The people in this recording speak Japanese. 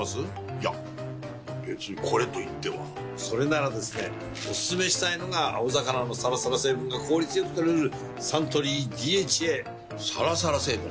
いや別にこれといってはそれならですねおすすめしたいのが青魚のサラサラ成分が効率良く摂れるサントリー「ＤＨＡ」サラサラ成分？